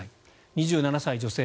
２７歳女性